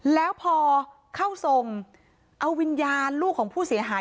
แล้วพอเข้าทรงเอาวิญญาณลูกของผู้เสียหาย